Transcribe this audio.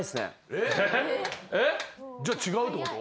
えっ？じゃ違うってこと？